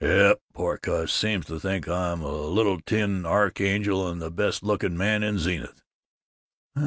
"Yep. Poor cuss! Seems to think I'm a little tin archangel, and the best looking man in Zenith."